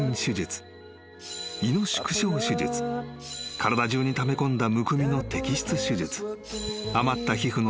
［体中にためこんだむくみの摘出手術］